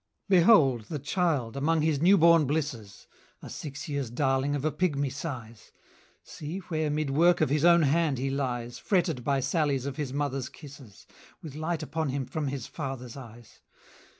85 Behold the Child among his new born blisses, A six years' darling of a pigmy size! See, where 'mid work of his own hand he lies, Fretted by sallies of his mother's kisses, With light upon him from his father's eyes!